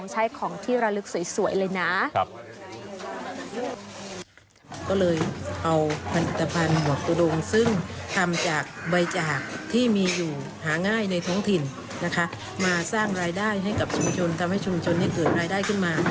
หากที่มีอยู่หาง่ายในท้องถิ่นนะคะมาสร้างรายได้ให้กับชุมชนทำให้ชุมชนเนี้ยเกิดรายได้ขึ้นมา